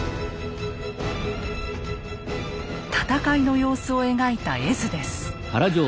戦いの様子を描いた絵図です。